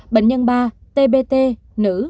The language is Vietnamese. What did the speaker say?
bệnh nhân ba tbt nữ